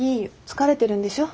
疲れてるんでしょ。